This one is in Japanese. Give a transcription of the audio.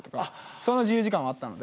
その自由時間はあったので。